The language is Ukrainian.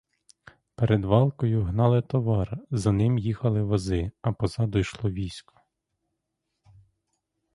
Перед валкою гнали товар, за ним їхали вози, а позаду йшло військо.